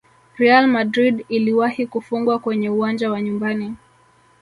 real madrid iliwahi kufungwa kwenye uwanja wa nyumbani